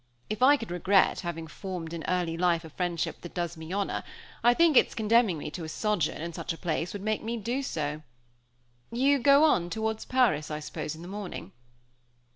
If I could regret having formed in early life a friendship that does me honor, I think its condemning me to a sojourn in such a place would make me do so. You go on towards Paris, I suppose, in the morning?"